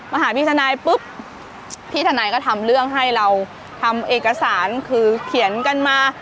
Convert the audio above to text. หาพี่ทนายปุ๊บพี่ทนายก็ทำเรื่องให้เราทำเอกสารคือเขียนกันมา